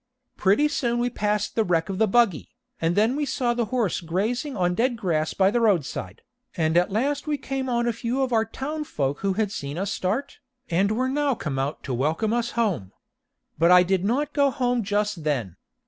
Pretty soon we passed the wreck of the buggy, and then we saw the horse grazing on dead grass by the roadside, and at last we came on a few of our townfolk who had seen us start, and were now come out to welcome us home. But I did not go home just then.